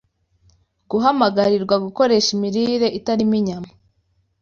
Guhamagarirwa Gukoresha Imirire Itarimo Inyama